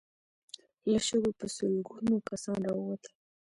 له شګو په سلګونو کسان را ووتل.